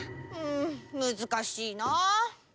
うんむずかしいな。